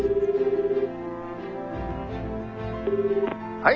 はい！